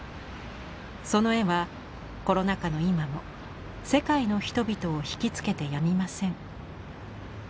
その絵はコロナ禍の今も世界の人々を惹きつけてやみません。